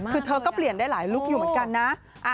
คือเธอก็เปลี่ยนได้หลายลุคอยู่เหมือนกันนะ